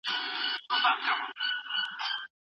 د ښوونځیو چاپېریال تل د زده کړې لپاره مناسب نه و.